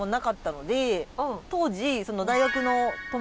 当時。